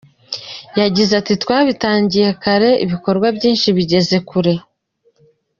Yagize ati “Twabitangiye kare ibikorwa byinshi bigeze kure.